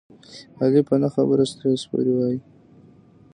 علي په نه خبره ستغې سپورې وايي.